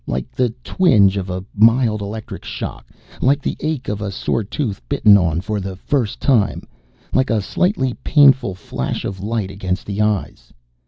Like the twinge of a mild electric shock. Like the ache of a sore tooth bitten on for the first time. Like a slightly painful flash of light against the eyes.